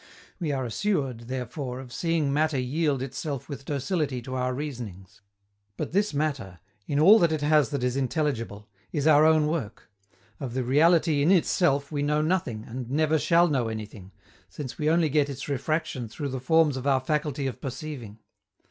We are assured, therefore, of seeing matter yield itself with docility to our reasonings; but this matter, in all that it has that is intelligible, is our own work; of the reality "in itself" we know nothing and never shall know anything, since we only get its refraction through the forms of our faculty of perceiving.